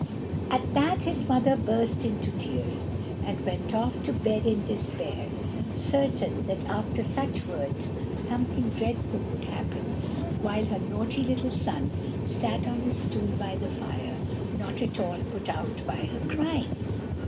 At that his mother burst into tears, and went off to bed in despair, certain that after such words something dreadful would happen; while her naughty little son sat on his stool by the fire, not at all put out by her crying.